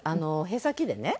へさきでね。